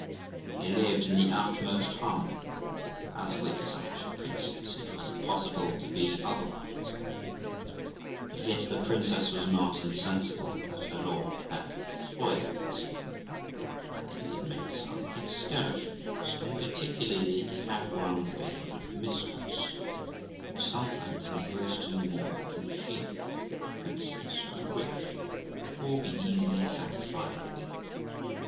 They lived in the utmost harmony, as with such a princess it was impossible to be otherwise. But yet the princess was not insensible that her lord had his foibles, that he did make some excursions, and particularly that he had one favourite mistress, which sometimes engrossed him more than she (the princess) could wish, or be easily satisfied with.